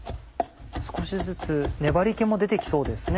少しずつ粘り気も出て来そうですね。